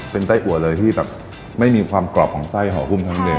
เป็นไส้อัวเลยที่แบบไม่มีความกรอบของไส้หอคุมทั้งเดียว